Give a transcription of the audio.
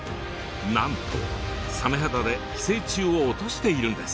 なんとサメ肌で寄生虫を落としているんです。